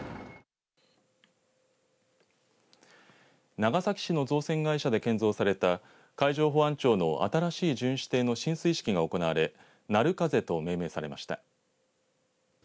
長崎市の造船会社で建造された海上保安庁の新しい巡視艇の進水式が行われなるかぜと命名されました。